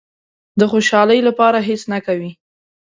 د خوشالۍ لپاره هېڅ نه کوي.